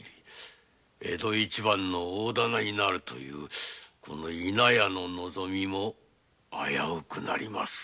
江戸一番の大店になるというこの伊奈屋の望みも危うくなります。